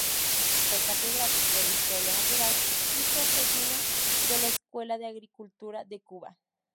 Fue catedrático de Historia Natural y Zootecnia de la Escuela de Agricultura de Cuba.